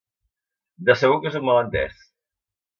De segur que és un malentés!